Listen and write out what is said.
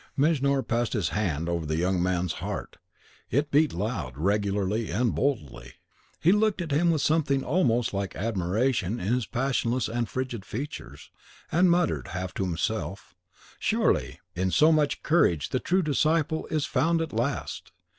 Mejnour passed his hand over the young man's heart, it beat loud, regularly, and boldly. He looked at him with something almost like admiration in his passionless and frigid features, and muttered, half to himself, "Surely, in so much courage the true disciple is found at last."